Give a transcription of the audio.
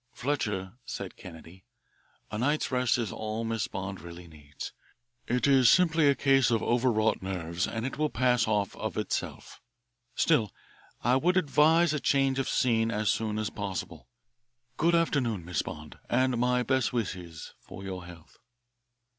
"Fletcher," said Kennedy, "a night's rest is all Miss Bond really needs. It is simply a case of overwrought nerves, and it will pass off of itself. Still, I would advise a change of scene as soon as possible. Good afternoon, Miss Bond, and my best wishes for your health."